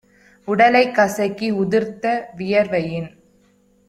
உடலைக் கசக்கி உதிர்த்த வியர்வையின்